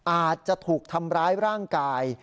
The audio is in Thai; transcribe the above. อาจจะถูกทำร้ายร่างกาย